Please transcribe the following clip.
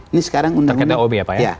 ini sekarang terkait dob ya pak ya